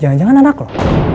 jangan jangan anak lo